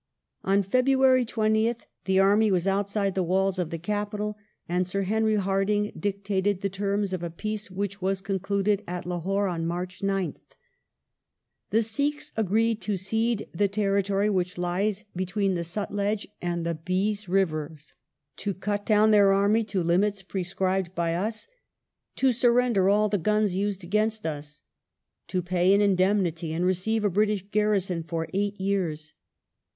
On February 20th the army was outside the walls of the capital, and Sir Henry Hardinge dictated the terms of a Peace which was concluded at Lahore on March 9th. The Sikhs agreed to cede the territory which lies between the Sutlej and the Beas rivei s ; to cut down their army to limits prescribed by us ; to surrender all the guns used against us ; to pay an indemnity and receive a British garrison for eight yeai s.